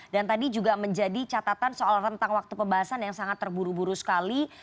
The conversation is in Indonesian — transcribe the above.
dan tadi juga menjadi catatan soal rentang waktu pembahasan yang sangat terburu buru sekali